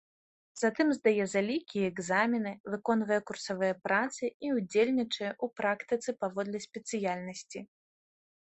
Затым здае залікі і экзамены, выконвае курсавыя працы і ўдзельнічае ў практыцы паводле спецыяльнасці.